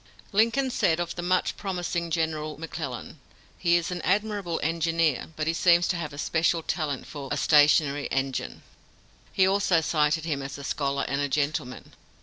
Lincoln said of the much promising General McClellan: "He is an admirable engineer, but he seems to have a special talent for a stationary engine." He also cited him as a scholar and a gentleman.